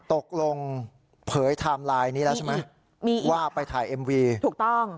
ตกลงเผยไทม์ไลน์นี้แล้วใช่ไหมมีว่าไปถ่ายเอ็มวีถูกต้อง